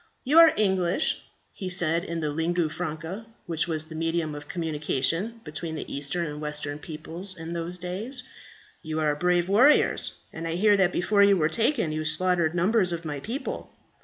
"You are English," he said, in the lingua franca which was the medium of communication between the Eastern and Western peoples in those days. "You are brave warriors, and I hear that before you were taken you slaughtered numbers of my people.